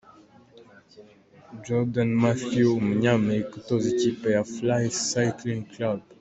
Jordan Mathew umunya-Amerika utoza ikipe ya Fly Cycling Club .